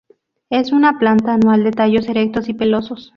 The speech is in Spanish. Es una planta anual de tallos erectos y pelosos.